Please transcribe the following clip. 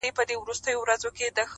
زما جانان وې زما جانان یې جانانه یې-